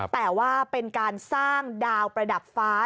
แต่ว่าเป็นการสร้างดาวประดับฟ้า